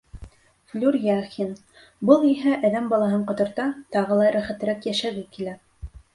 Флүр Яхин Был иһә әҙәм балаһын ҡоторта, тағы ла рәхәтерәк йәшәге килә.